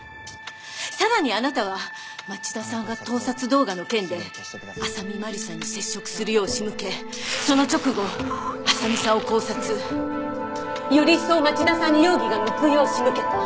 さらにあなたは町田さんが盗撮動画の件で浅見麻里さんに接触するよう仕向けその直後浅見さんを絞殺。より一層町田さんに容疑が向くよう仕向けた。